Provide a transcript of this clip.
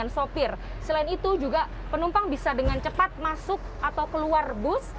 selain itu juga penumpang bisa dengan cepat masuk atau keluar bus